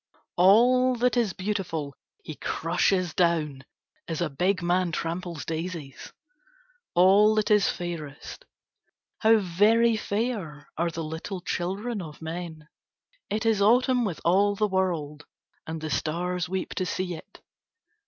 "All that is beautiful he crushes down as a big man tramples daises, all that is fairest. How very fair are the little children of men. It is autumn with all the world, and the stars weep to see it.